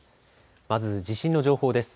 まず地震の情報です。